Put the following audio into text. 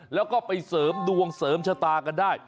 แล้วก็ไปเสริมดวงเสริมชะตากันได้